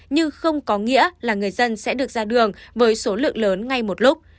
nhưng không có nghĩa là người dân sẽ được ra đường với số lượng lớn ngay một lúc